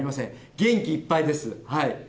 元気いっぱいです。